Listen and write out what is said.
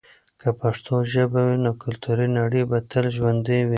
که پښتو ژبه وي، نو کلتوري نړی به تل ژوندي وي.